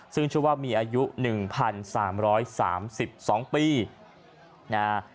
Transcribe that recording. ซึ่งชื่อว่ามีอายุ๑๓๓๒ปีนะฮะ